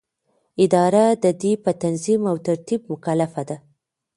اداره د دې په تنظیم او ترتیب مکلفه ده.